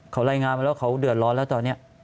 เขารายงานมาแล้วเขาเดือดร้อนแล้วตอนนี้